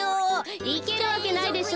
いけるわけないでしょ。